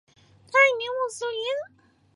他是一名穆斯林。